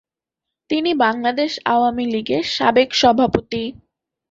তিনি বাংলাদেশ আওয়ামীলীগ এর সাবেক সভাপতি।